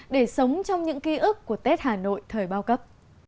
để sống trong những ký ức của tết hà nội thời bao cấp